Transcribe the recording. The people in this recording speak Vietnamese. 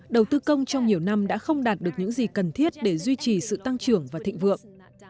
đầu tư công trong nhiều năm đã không đạt được những gì cần thiết để duy trì sự tăng trưởng và thịnh vượng